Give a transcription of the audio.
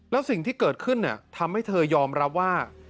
แล้วสิ่งที่เกิดขึ้นทำให้เธอยอมรับว่า